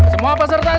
semua peserta siap